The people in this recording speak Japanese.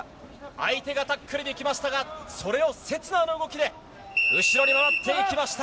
相手がタックルにきましたがそれを刹那の動きで後ろに回っていきました。